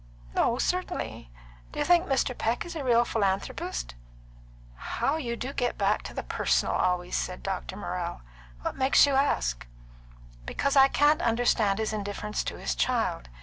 "No, certainly. Do you think Mr. Peck is a real philanthropist?" "How you do get back to the personal always!" said Dr. Morrell. "What makes you ask?" "Because I can't understand his indifference to his child.